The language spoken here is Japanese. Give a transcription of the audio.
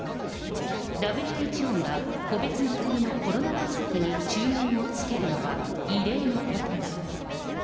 ＷＨＯが個別の国のコロナ対策に注文をつけるのは、異例のことだ。